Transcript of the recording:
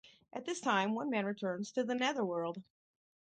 At this time one man returns to the Netherworld.